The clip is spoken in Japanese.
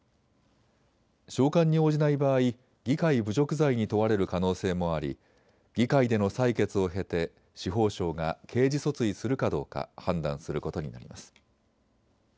召喚に応じない場合、議会侮辱罪に問われる可能性もあり議会での採決を経て司法省が刑事訴追するかどうか判断することになります。